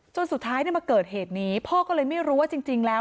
สุดท้ายมาเกิดเหตุนี้พ่อก็เลยไม่รู้ว่าจริงแล้ว